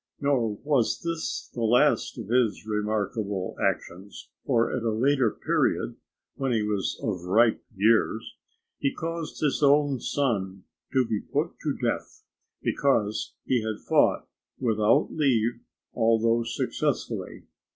Nor was this the last of his remarkable actions, for at a later period, when he was of ripe years, he caused his own son to be put to death, because he had fought without leave, although successfully.